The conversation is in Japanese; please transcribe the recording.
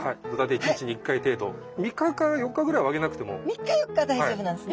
３日４日は大丈夫なんですね。